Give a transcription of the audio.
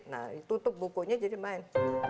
nah ditutup bukunya jadi main